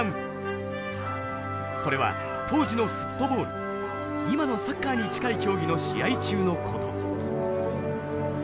それは当時のフットボール今のサッカーに近い競技の試合中のこと。